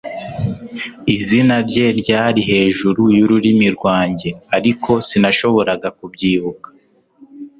izina rye ryari hejuru y'ururimi rwanjye, ariko sinashoboraga kubyibuka